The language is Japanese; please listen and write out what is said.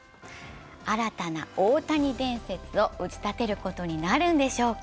新たな大谷伝説を打ち立てることになるんでしょうか。